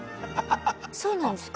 そうなんですか？